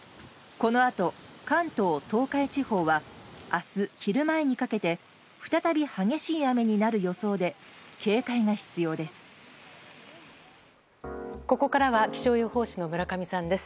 このあと、関東・東海地方は明日昼前にかけて再び激しい雨になる予想で警戒が必要です。